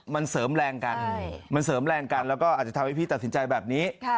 มันเสริมแรงกันมันเสริมแรงกันแล้วก็อาจจะทำให้พี่ตัดสินใจแบบนี้